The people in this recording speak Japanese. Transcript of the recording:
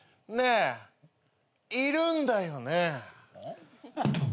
ねえいるんだよね。